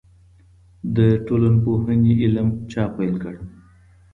د ټولنپوهنې علم چا پیل کړ؟